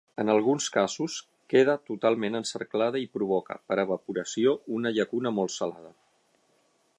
En alguns casos, queda totalment encerclada i provoca, per evaporació, una llacuna molt salada.